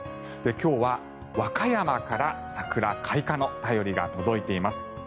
今日は和歌山から桜開花の便りが届いています。